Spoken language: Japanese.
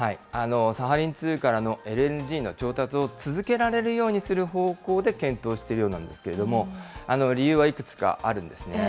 サハリン２からのＬＮＧの調達を続けられるようにする方向で検討しているようなんですけれども、理由はいくつかあるんですね。